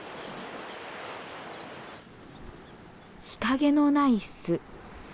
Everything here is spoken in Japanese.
日陰のない巣。